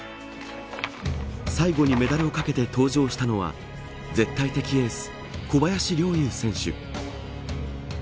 最後にメダルをかけて登場したのは絶対的エース、小林陵侑選手。